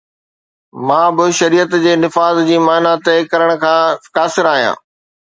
مان به شريعت جي نفاذ جي معنيٰ طئي ڪرڻ کان قاصر آهيان.